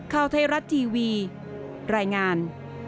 ข่าวไทยรัฐทีวีรายงาน